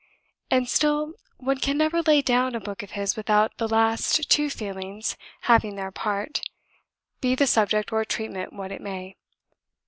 And still one can never lay down a book of his without the last two feelings having their part, be the subject or treatment what it may.